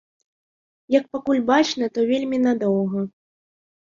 Як пакуль бачна, то вельмі надоўга.